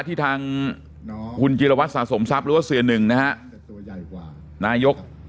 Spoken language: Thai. ที่ทางคุณจิรวัตรสะสมทรัพย์หรือว่าเสียหนึ่งนะฮะนายก